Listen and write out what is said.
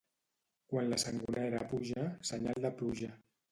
Quan la sangonera puja, senyal de pluja.